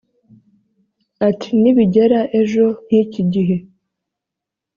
ati nibigera ejo nk iki gihe